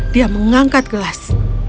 dia mengangkat gelas